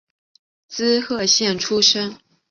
滋贺县出身。